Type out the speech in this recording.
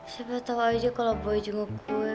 siapa tau aja kalo boy jenguk gue